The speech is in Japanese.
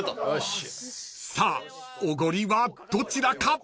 ［さあおごりはどちらか？］